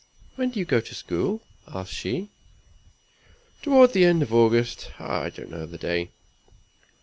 "When do you go to school?" asked she. "Toward the end of August; I don't know the day."